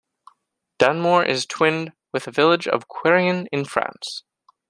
Dunmore is twinned with the village of Querrien in France.